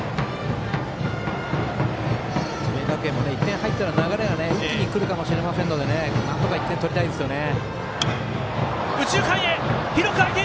智弁学園も１点入ったら流れが一気にくるかもしれないのでなんとか１点取りたいですよね。